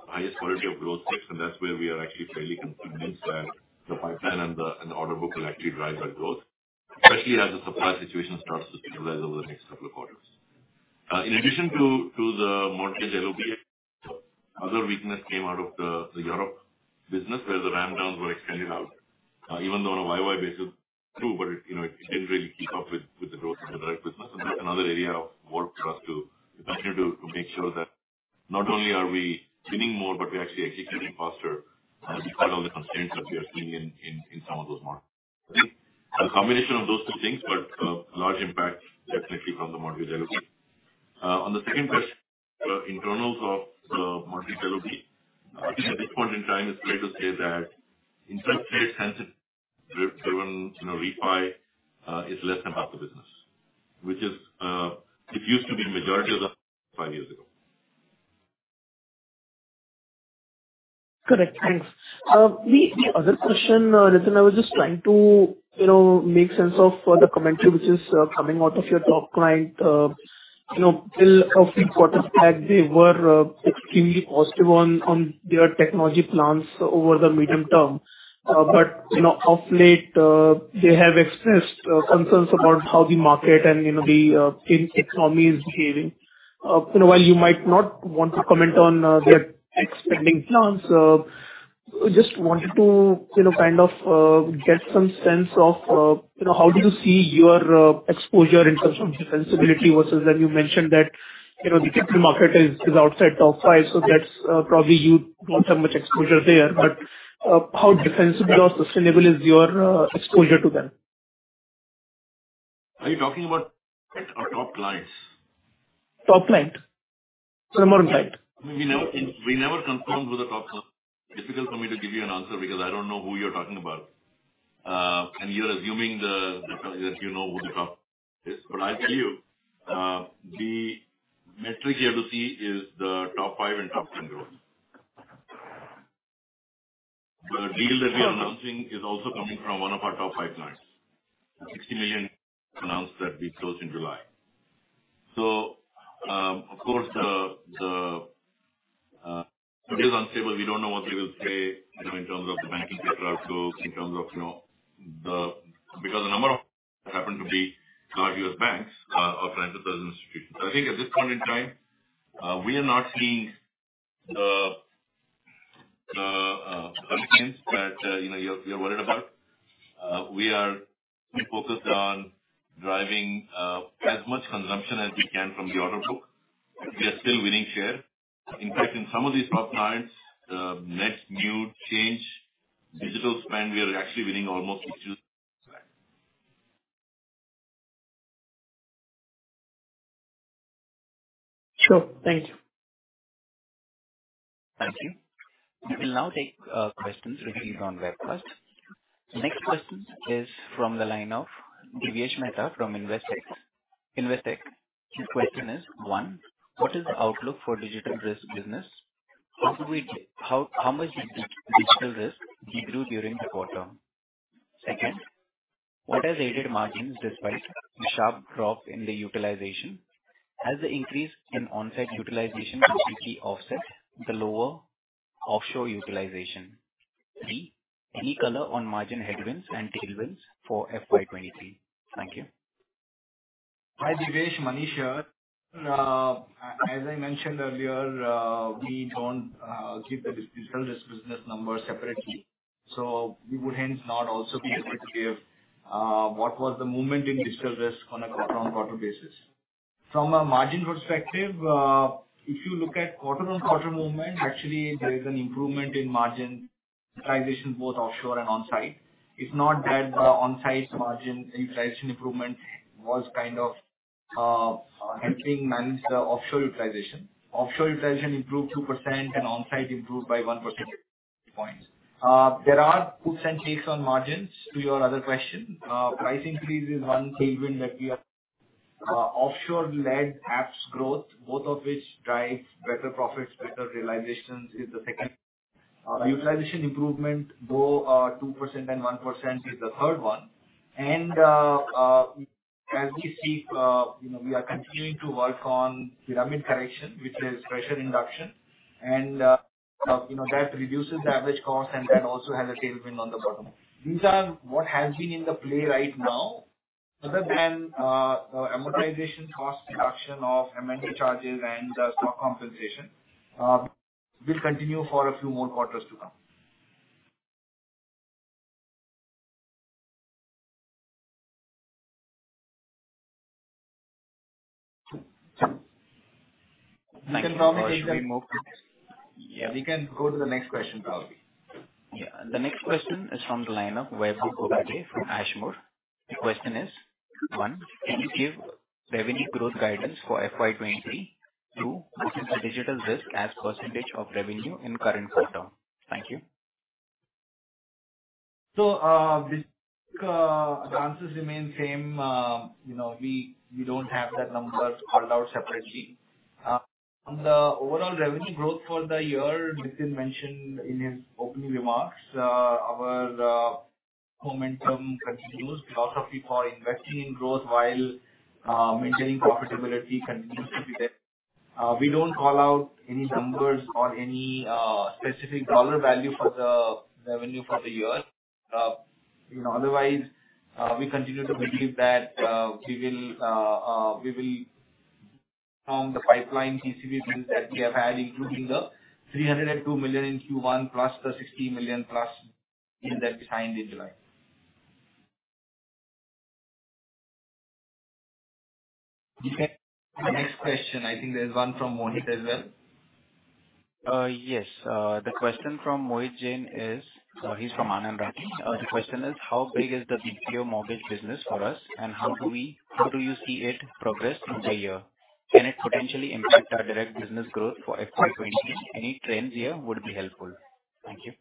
highest quality of growth sits, and that's where we are actually fairly confident that the pipeline and the order book will actually drive that growth, especially as the supply situation starts to stabilize over the next couple of quarters. In addition to the mortgage LOB, other weakness came out of the Europe business where the ramp downs were extended out. Even though on a YOY basis it grew, but it, you know, it didn't really keep up with the growth of the direct business. That's another area of work for us to continue to make sure that not only are we winning more, but we're actually executing faster, despite all the constraints that we are seeing in some of those markets. I think a combination of those two things, but a large impact definitely from the mortgage LOB. On the second question, internals of the mortgage LOB. I think at this point in time it's fair to say that interest rate sensitive driven, you know, refi, is less than half the business, which is, it used to be majority of the business 5 years ago. Correct. Thanks. The other question, Nitin, I was just trying to, you know, make sense of the commentary which is coming out of your top client. You know, till a few quarters back they were extremely positive on their technology plans over the medium term. But you know, of late, they have expressed concerns about how the market and, you know, the economy is behaving. You know, while you might not want to comment on their spending plans, just wanted to, you know, kind of, get some sense of, you know, how do you see your exposure in terms of defensibility versus that you mentioned that the capital market is outside top 5, so that's probably you don't have much exposure there. How defensible or sustainable is your exposure to them? Are you talking about our top clients? Top client. Prominent client. We never confirmed who the top client. Difficult for me to give you an answer because I don't know who you're talking about and you're assuming that you know who the top is. I tell you, the metric you have to see is the top 5 and top 10 growth. The deal that we are announcing is also coming from one of our top 5 clients. $60 million announced that we closed in July. Of course, it is unstable we don't know what they will say, you know, in terms of the banking sector outflows, you know, because a number of happen to be large U.S. banks, our clients are present. I think at this point in time, we are not seeing the concerns that, you know, you're worried about. We are pretty focused on driving as much consumption as we can from the order book. We are still winning share. In fact, in some of these top clients, the net new change digital spend, we are actually winning almost. Sure. Thank you. Thank you. We'll now take questions received on webcast. Next question is from the line of Divesh Mehta from Investec. His question is, one, what is the outlook for Digital Risk business? How much did Digital Risk degrew during the quarter? Second, what are the added margins despite the sharp drop in the utilization? Has the increase in onsite utilization completely offset the lower offshore utilization? Three, any color on margin headwinds and tailwinds for FY 23. Thank you. Hi, Divesh. Manish here. As I mentioned earlier, we don't keep the Digital Risk business numbers separately. We would hence not also be able to give what was the movement in Digital Risk on a quarter basis. From a margin perspective, if you look at quarter-on-quarter movement, actually there is an improvement in margin utilization both offshore and onsite. It's not that the onsite margin utilization improvement was kind of helping manage the offshore utilization. Offshore utilization improved 2% and onsite improved by one percentage point. There are puts and takes on margins to your other question. Price increase is one tailwind that we are. Offshore-led apps growth, both of which drives better profits, better realizations is the second. Utilization improvement, though, 2% and 1% is the third one. As we speak, you know, we are continuing to work on pyramid correction, which is pressure induction. You know, that reduces the average cost and then also has a tailwind on the bottom. These are what has been at play right now other than amortization cost reduction of M&A charges and stock compensation. This continue for a few more quarters to come. Should we move to next? Yeah, we can go to the next question, probably. Yeah. The next question is from the line of Vaibhav Kokate from Ashmore. The question is, one, can you give revenue growth guidance for FY 23? Two, what is the Digital Risk as percentage of revenue in current quarter? Thank you. This answers remain same, you know, we don't have that numbers called out separately. The overall revenue growth for the year Nitin mentioned in his opening remarks. Our momentum continues, philosophy for investing in growth while maintaining profitability continues to be there. We don't call out any numbers or any specific dollar value for the revenue for the year. You know, otherwise, we continue to believe that we will from the pipeline TCV deals that we have had, including the $302 million in Q1 plus the $60 million plus deal that we signed in July. The next question, I think there's one from Mohit as well. Yes. The question from Mohit Jain is. He's from Anand Rathi. The question is, How big is the BPO mortgage business for us, and how do you see it progress through the year? Can it potentially impact our direct business growth for FY 23? Any trends here would be helpful. Thank you.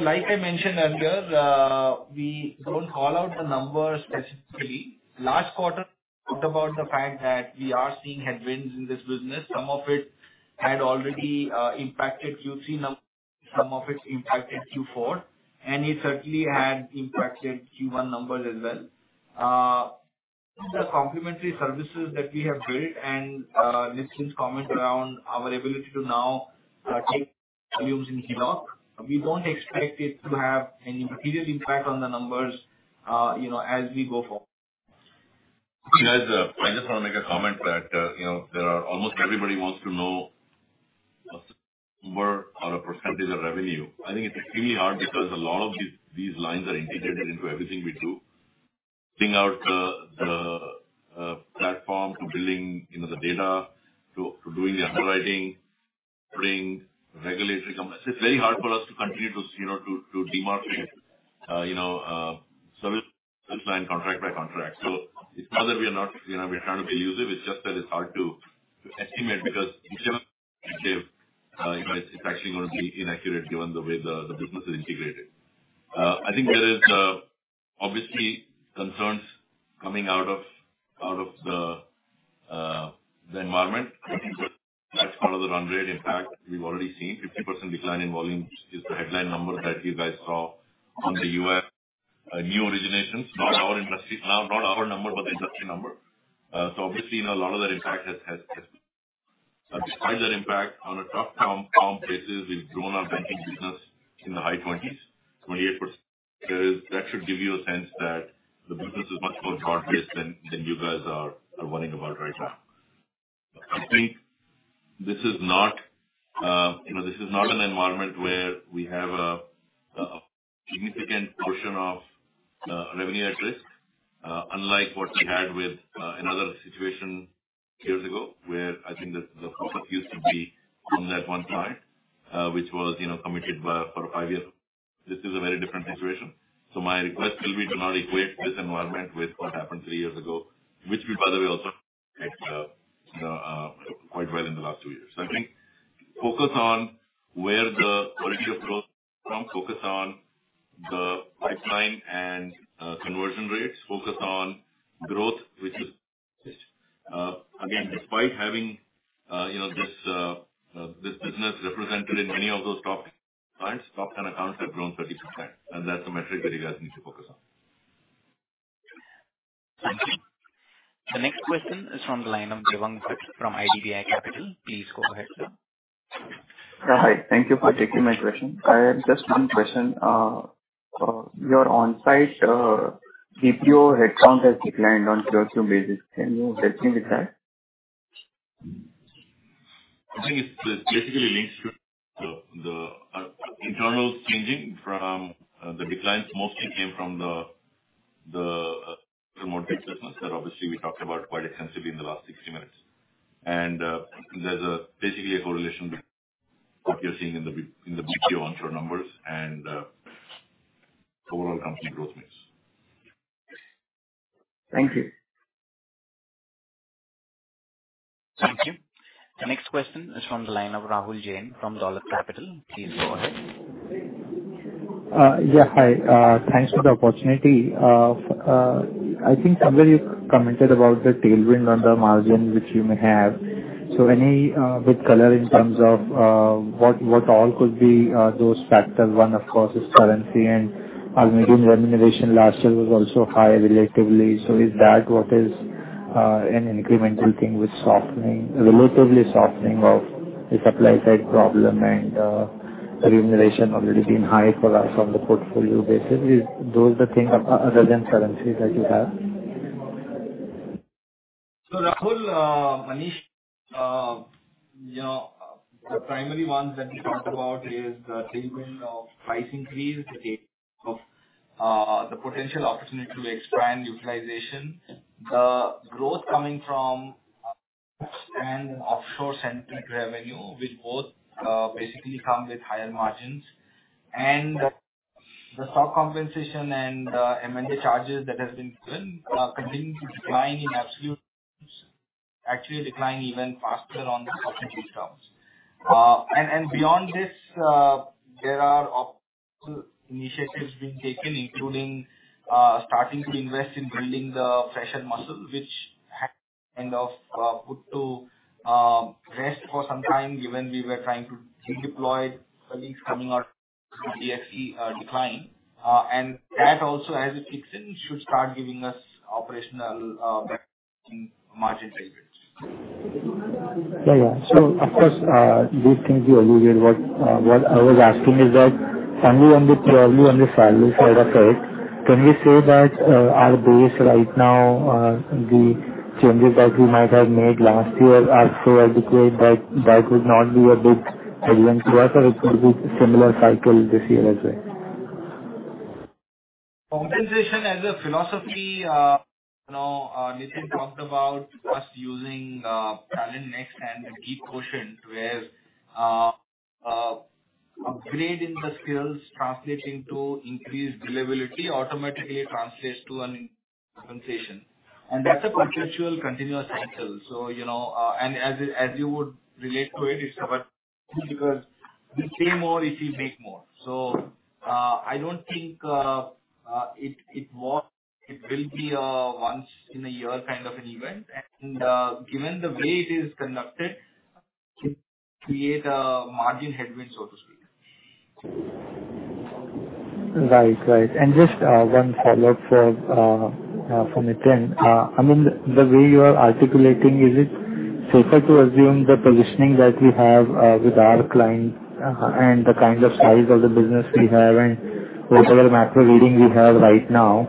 Like I mentioned earlier, we don't call out the numbers specifically. Last quarter talked about the fact that we are seeing headwinds in this business. Some of it had already impacted Q3 numbers, some of it impacted Q4, and it certainly had impacted Q1 numbers as well. The complementary services that we have built and Nitin's comment around our ability to now take volumes in HELOC, we don't expect it to have any material impact on the numbers, you know, as we go forward. Guys, I just want to make a comment that, you know, almost everybody wants to know more on a percentage of revenue. I think it's really hard because a lot of these lines are integrated into everything we do. Bring out the platform to building, you know, the data to doing the underwriting, putting regulatory compliance. It's very hard for us to continue to, you know, to demarcate service line contract by contract. It's not that we are not, you know, we're trying to be evasive, it's just that it's hard to estimate because it's gonna give you guys, it's actually gonna be inaccurate given the way the business is integrated. I think there is obviously concerns coming out of the environment. I think that's part of the run rate impact we've already seen 50% decline in volumes is the headline number that you guys saw from the U.S. new originations, not our industry, not our number, but the industry number. Obviously, you know, a lot of that impact has. Despite that impact on a comp basis, we've grown our banking business in the high 20s, 28%. That should give you a sense that the business is much more broad-based than you guys are worrying about right now. I think this is not, you know, this is not an environment where we have a significant portion of revenue at risk, unlike what we had with another situation years ago, where I think the profit used to be on that one client, which was, you know, committed by for 5 years. This is a very different situation. My request will be to not equate this environment with what happened three years ago, which we by the way also quite well in the last 2 years. I think focus on where the quality of growth from, focus on the pipeline and conversion rates. Focus on growth, which is, again, despite having, you know, this business represented in many of those top clients, top 10 accounts have grown 30%, and that's the metric that you guys need to focus on. Thank you. The next question is from the line of Devang Shah from IDBI Capital. Please go ahead, sir. Yeah. Hi. Thank you for taking my question. I have just one question. Your on-site BPO headcount has declined on Q2 basis. Can you help me with that? I think it's it basically links to the internals changing from the declines mostly came from the remote business that obviously we talked about quite extensively in the last 60 minutes and there's basically a correlation between what you're seeing in the BPO onshore numbers and total company growth mix. Thank you. Thank you. The next question is from the line of Rahul Jain from Dolat Capital. Please go ahead. Yeah. Hi. Thanks for the opportunity. I think somewhere you commented about the tailwind on the margin which you may have. Any bit of color in terms of what all could be those factors? One, of course, is currency and our median remuneration last year was also high relatively. Is that what is an incremental thing with softening, relatively softening of the supply side problem and remuneration already being high for us on the portfolio basis? Is those the thing other than currencies that you have? Rahul, Manish, you know, the primary ones that we talked about is the tailwind of price increase, the potential opportunity to expand utilization. The growth coming from an offshore-centric revenue will both basically come with higher margins and the stock compensation and M&A charges that have been given continuing to decline in absolute terms, actually declining even faster on an operating terms. Beyond this, there are operational initiatives being taken, including starting to invest in building the fresher muscle, which had kind of put to rest for some time, given we were trying to redeploy colleagues coming out of the DXC decline and that also as it kicks in should start giving us operational benefits in margin expansion. Yeah, yeah. Of course, these things you alluded to what I was asking is that finally, probably on the salary side of it, can we say that our base right now, the changes that we might have made last year are so adequate that that would not be a headwind to us or it could be similar cycle this year as well? Compensation as a philosophy, you know, Nitin talked about us using talent mix and a key quotient, where upgrade in the skills translating to increased deliverability automatically translates to an compensation and that's a perpetual continuous cycle, you know, as you would relate to it's about because you pay more if you make more so I don't think it will be a once in a year kind of an event. Given the way it is conducted, it create a margin headwind, so to speak. Right. Just one follow-up for Nitin. I mean, the way you are articulating, is it safer to assume the positioning that we have with our clients and the kind of size of the business we have and whatever macro reading we have right now,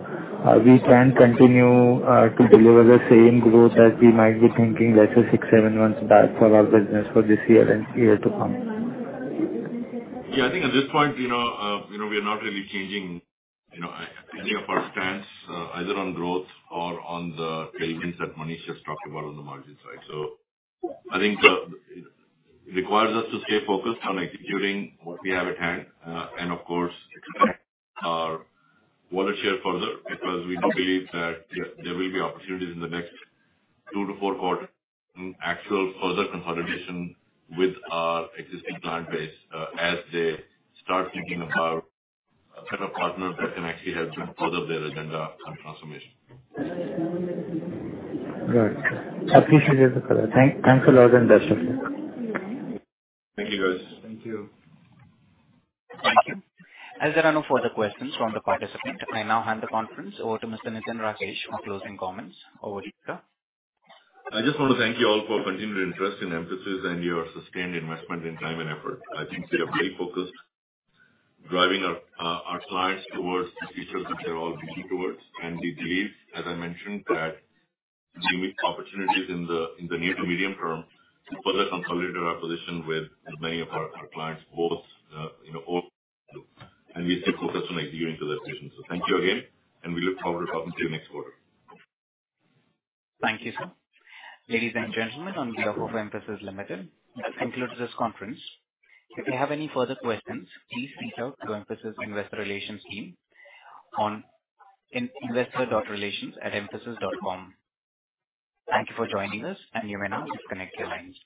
we can continue to deliver the same growth as we might be thinking let's say 6-7 months back for our business for this year and year to come? Yeah. I think at this point, you know, we are not really changing any of our stance, either on growth or on the tailwinds that Manish just talked about on the margin side. I think it requires us to stay focused on executing what we have at hand, and of course expand our market share further, because we do believe that there will be opportunities in the next 2-4 quarters in actual further consolidation with our existing client base, as they start thinking about a set of partners that can actually help them further their agenda on transformation. Got it. I appreciate the color. Thanks a lot and best of luck. Thank you, guys. Thank you. Thank you. As there are no further questions from the participant, I now hand the conference over to Mr. Nitin Rakesh for closing comments. Over to you, sir. I just want to thank you all for continued interest in Mphasis and your sustained investment in time and effort. I think we are very focused driving our clients towards the features that they're all looking towards. We believe, as I mentioned, that unique opportunities in the near to medium term to further consolidate our position with many of our clients both, you know, old and new, and we stay focused on executing to that vision. Thank you again, and we look forward to talking to you next quarter. Thank you, sir. Ladies and gentlemen, on behalf of Mphasis Limited, this concludes this conference. If you have any further questions, please reach out to Mphasis Investor Relations team on investor.relations@mphasis.com. Thank you for joining us, and you may now disconnect your lines.